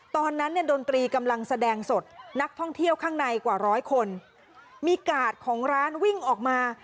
ตอนนั้นเนี่ยดนตรีกำลังแสดงสดนักท่องเที่ยวข้างในกว่าร้อยคนมีกาดของร้านวิ่งออกมา